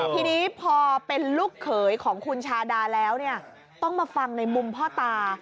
ทีนี้พอเป็นลูกเขยของคุณชาดาแล้วต้องมาฟังในมุมพ่อตา